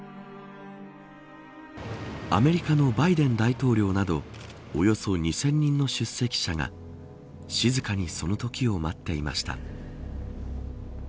アメリカのバイデン大統領などおよそ２０００人の出席者が静かにその時を待っていました。